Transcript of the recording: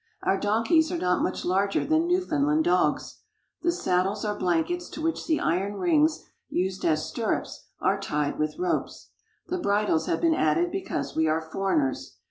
Our donkeys are not much larger than Newfoundland dogs. The saddles are blankets to which the iron rings used as stirrups are tied with ropes. The bridles have been added because we are foreigners.